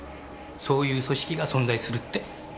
そういう組織が存在するって。